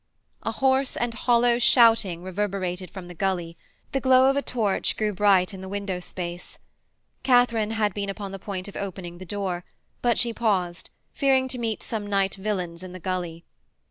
A hoarse and hollow shouting reverberated from the gully; the glow of a torch grew bright in the window space. Katharine had been upon the point of opening the door, but she paused, fearing to meet some night villains in the gully.